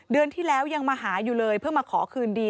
เดือนที่แล้วยังมาหาอยู่เลยเพื่อมาขอคืนดี